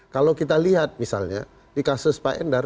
kalau kita lihat misalnya di kasus pak endar